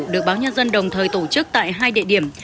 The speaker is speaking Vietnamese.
được báo nhân dân đồng thời tổ chức tại hai địa điểm